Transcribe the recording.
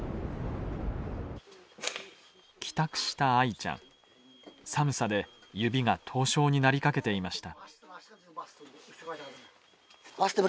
帰宅したアイちゃん寒さで指が凍傷になりかけていました。